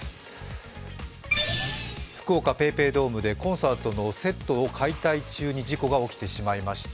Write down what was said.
福岡・ＰａｙＰａｙドームでコンサートのセットを解体中に事故が起きてしまいました。